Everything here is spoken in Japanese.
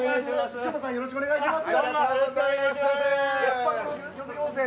城田さん、よろしくお願いします。